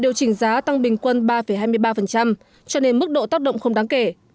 điều chỉnh giá tăng bình quân ba hai mươi ba cho nên mức độ tác động không đáng kể